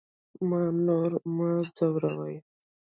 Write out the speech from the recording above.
ما نور مه ځوروئ